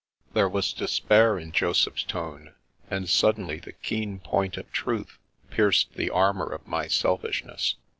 There was de spair in Joseph's tone, and suddenly the keen point of truth pierced the armour of my selfishness.